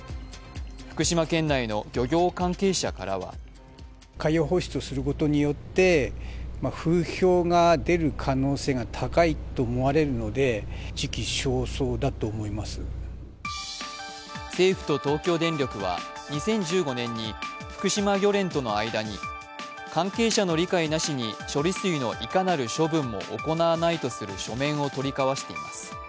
福島県内の漁業関係者からは政府と東京電力は２０１５年に福島漁連との間に関係者の理解なしに処理水のいかなる処分も行わないとする書面を取り交わしています。